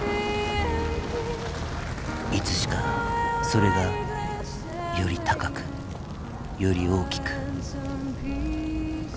いつしかそれがより高くより大きく。